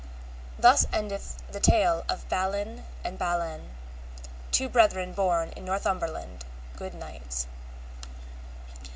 Thus endeth the tale of Balin and of Balan, two brethren born in Northumberland, good knights.